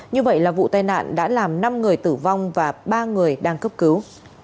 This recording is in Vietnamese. như vậy là vụ tai nạn đã làm năm người tử vong và ba người đang cấp cứu